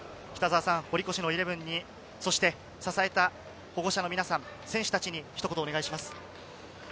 堀越イレブンを支えた保護者の皆さん、選手たちにひと言お願いします。